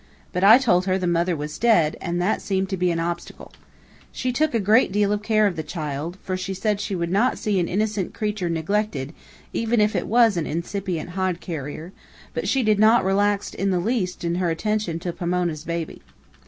But I told her the mother was dead, and that seemed to be an obstacle. She took a good deal of care of the child, for she said she would not see an innocent creature neglected, even if it was an incipient hod carrier, but she did not relax in the least in her attention to Pomona's baby.